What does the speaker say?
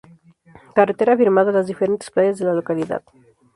Carretera afirmada a las diferentes playas de la localidad.